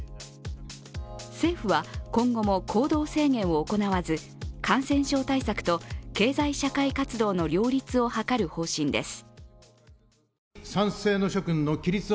政府は今後も行動制限を行わず感染症対策と経済社会活動の両立を図る方針です。